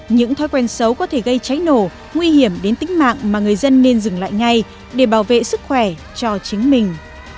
những thói quen xấu có thể gây cháy nổ nguy hiểm đến tính mạng mà người dân nên dừng lại ngay để bảo vệ sức khỏe cho chính mình